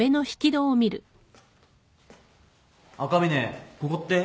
赤嶺ここって？